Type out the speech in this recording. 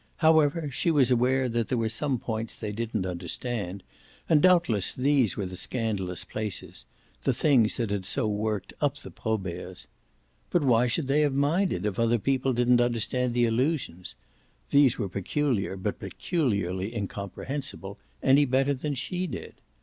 However, she was aware there were some points they didn't understand, and doubtless these were the scandalous places the things that had so worked up the Proberts. But why should they have minded if other people didn't understand the allusions (these were peculiar, but peculiarly incomprehensible) any better than she did?